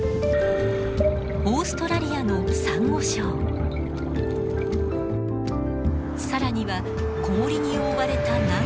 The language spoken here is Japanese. オーストラリアのサンゴ礁更には氷に覆われた南極大陸まで。